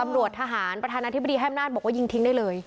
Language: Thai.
ตำรวจทหารประธานาธิบดีให้อำนาจบอกว่ายิงทิ้งได้เลย